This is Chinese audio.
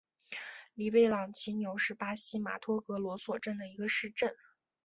里贝朗齐纽是巴西马托格罗索州的一个市镇。